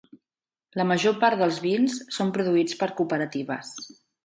La major part dels vins són produïts per cooperatives.